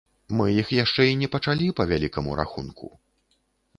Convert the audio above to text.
Мы іх яшчэ і не пачалі, па вялікаму рахунку!